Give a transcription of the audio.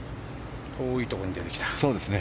いいところに出てきた。